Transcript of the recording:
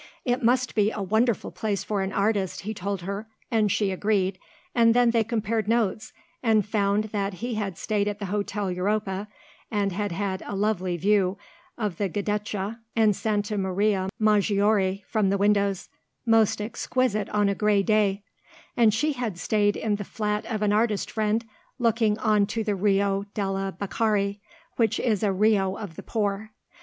"It must be a wonderful place for an artist," he told her, and she agreed, and then they compared notes and found that he had stayed at the Hotel Europa, and had had a lovely view of the Giudecca and Santa Maria Maggiore from the windows ("most exquisite on a grey day"), and she had stayed in the flat of an artist friend, looking on to the Rio delle Beccarie, which is a rio of the poor.